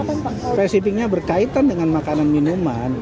spesifiknya berkaitan dengan makanan minuman